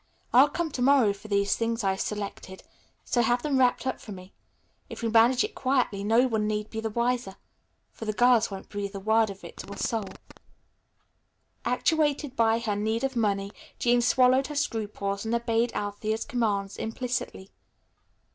I'll come to morrow for these things I've selected; so have them wrapped up for me. If we manage it quietly no one need be the wiser, for the girls won't breathe a word of it to a soul." Actuated by her need of money, Jean swallowed her scruples and obeyed Althea's commands implicitly.